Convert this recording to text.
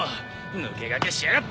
抜け駆けしやがって。